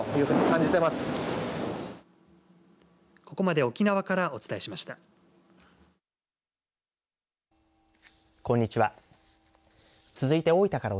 ここまで沖縄からお伝えしました。